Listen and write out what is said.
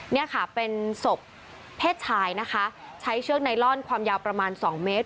นี่ค่ะเป็นศพเพศชายนะคะใช้เชือกไนลอนความยาวประมาณ๒เมตร